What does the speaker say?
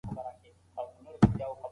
سلطان په يوازيتوب کې اوسېده.